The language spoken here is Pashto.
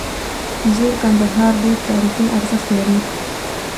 زوړ کندهار ډیر تاریخي ارزښت لري